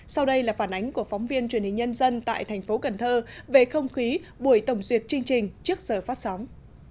sau đây là phản ánh của phóng viên truyền hình nhân dân tại thành phố cần thơ về không khí buổi tổng duyệt chương trình trước giờ phát sóng